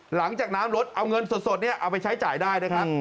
หลังจากน้ำลดเอาเงินสดเอาไปใช้จ่ายได้นะครับ